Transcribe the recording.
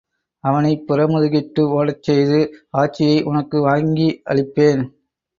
அவனைப் புறமுதுகிட்டு ஓடச் செய்து ஆட்சியை, உனக்கு வாங்கி அளிப்பேன்.